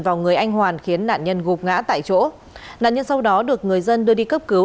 vào người anh hoàn khiến nạn nhân gục ngã tại chỗ nạn nhân sau đó được người dân đưa đi cấp cứu